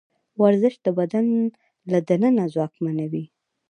ورزش د بدن له دننه ځواکمنوي.